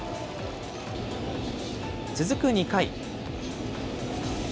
続く２回。